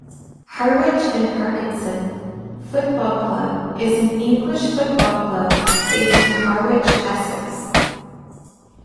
Harwich and Parkeston Football Club is an English football club based in Harwich, Essex.